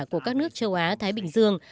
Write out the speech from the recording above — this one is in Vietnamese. của các nước châu á thái bình dương